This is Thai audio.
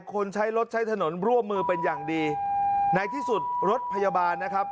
คนใช้รถใช้ถนนร่วมมือเป็นอย่างดีในที่สุดรถพยาบาลนะครับ